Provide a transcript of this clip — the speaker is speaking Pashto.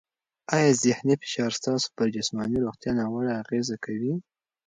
آیا ذهني فشار ستاسو پر جسماني روغتیا ناوړه اغېزه کوي؟